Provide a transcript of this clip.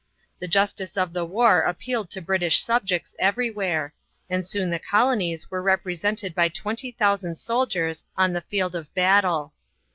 The justice of the war appealed to British subjects everywhere, and soon the Colonies were represented by 20,000 soldiers on the field of battle.